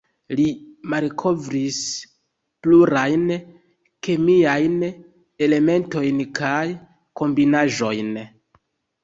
Li malkovris plurajn kemiajn elementojn kaj kombinaĵojn.